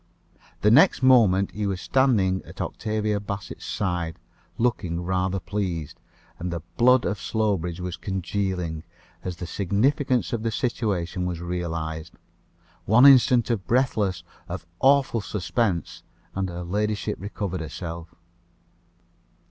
The next moment he was standing at Octavia Bassett's side, looking rather pleased, and the blood of Slowbridge was congealing, as the significance of the situation was realized. One instant of breathless of awful suspense, and her ladyship recovered herself.